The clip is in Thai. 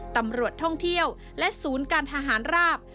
ตำรวจท่องเที่ยวและศูนย์การทหารราบ